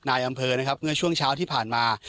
นายอำเภอนะครับเมื่อช่วงเช้าที่ผ่านมา